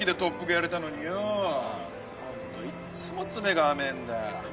ホントいっつも詰めが甘えんだよ。